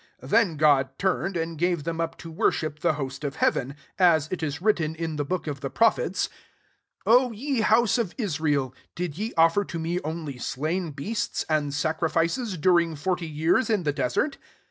42 Then God timed, and gave them up to worship the host of heaven : as t is writtten in the book of the prophets, < O ye house of Israel, did ye offer to me only slain beasts, and sacrifices, rf«n>i5' for ty years in the desert